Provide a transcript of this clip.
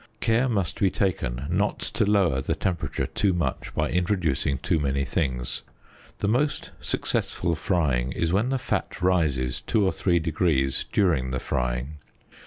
Care must be taken not to lower the temperature too much by introducing too many things. The most successful frying is when the fat rises two or three degrees during the frying.